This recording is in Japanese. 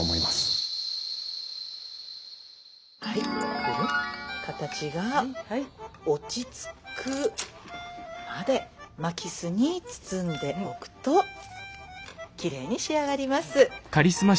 はい形が落ち着くまで巻きすに包んでおくときれいに仕上がります。